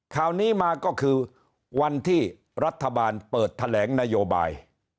ข่าวนี้มาก็คือวันที่รัฐบาลเปิดแถลงนโยบาย